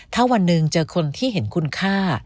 ถ้าวันหนึ่งเจอคนที่เห็นคุณค่า